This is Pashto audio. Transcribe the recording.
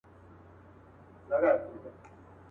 چي قاضي وي چي دا گيند او دا ميدان وي.